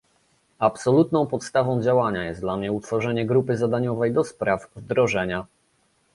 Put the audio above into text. Absolutną podstawą działania jest dla mnie utworzenie grupy zadaniowej do spraw wdrożenia